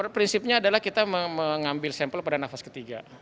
prinsipnya adalah kita mengambil sampel pada nafas ketiga